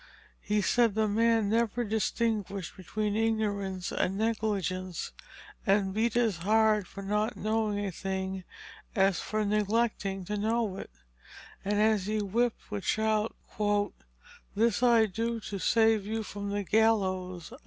He said the man never distinguished between ignorance and negligence, and beat as hard for not knowing a thing as for neglecting to know it, and as he whipped would shout, "This I do to save you from the gallows."